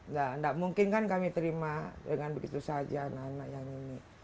nah tidak mungkin kan kami terima dengan begitu saja anak anak yang ini